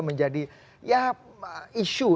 menjadi ya isu